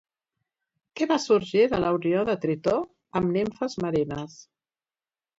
Què va sorgir de la unió de Tritó amb nimfes marines?